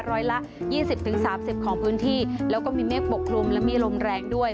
ร้อยละยี่สิบถึงสามสิบของพื้นที่แล้วก็มีเมฆปกคลุมและมีลมแรงด้วย